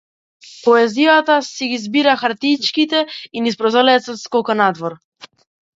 Поезијата си ги збира хартиичките и низ прозорецот скока надвор.